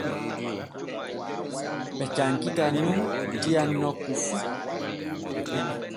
Ɓe cankitan nun diyam nokku fu.